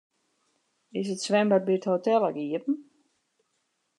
Is it swimbad by it hotel ek iepen?